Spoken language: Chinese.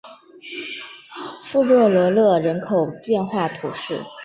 富热罗勒人口变化图示